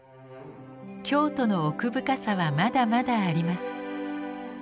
京都の奥深さはまだまだあります。